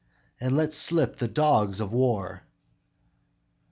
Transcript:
and let slip the dogs of war!"